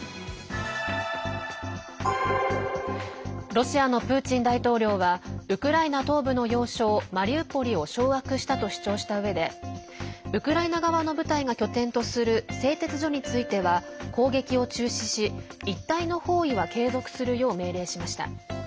ロシアのプーチン大統領はウクライナ東部の要衝マリウポリを掌握したと主張したうえでウクライナ側の部隊が拠点とする製鉄所については攻撃を中止し一帯の包囲は継続するよう命令しました。